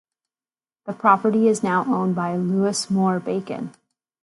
The property is now owned by Louis Moore Bacon.